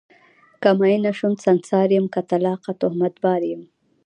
که میینه شوم سنګسار یم، که طلاقه تهمت بار یم